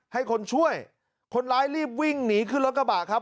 ให้คนช่วยคนร้ายรีบวิ่งหนีขึ้นรถกระบะครับ